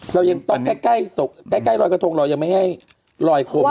เรายังตกใกล้รอยกระทงลอยยังไม่ให้ลอยโคมลอยเลย